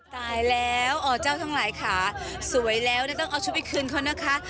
ตายแล้วอเจ้าทั้งหลายขาสวยแล้วนะต้องเอาชุดไปคืนเขานะคะ